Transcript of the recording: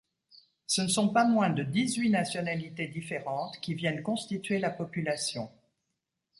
Ce ne sont pas moins de dix-huit nationalités différentes qui viennent constituer la population.